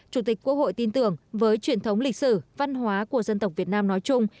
chủ tịch quốc hội tin tưởng với truyền thống lịch sử văn hóa của dân tộc việt nam nói chung